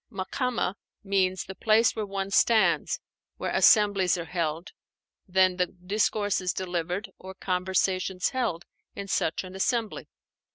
"Makámah" means the place where one stands, where assemblies are held; then, the discourses delivered, or conversations held in such an assembly.